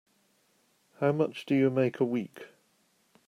How much do you make a week?